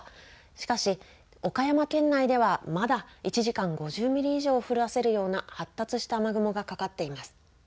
しかし、岡山県内ではまだ１時間、５０ミリ以上降らせるような発達した雨雲がかかっています。